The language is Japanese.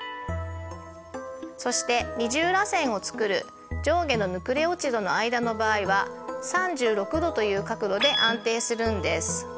そして二重らせんをつくる上下のヌクレオチドの間の場合は３６度という角度で安定するんです。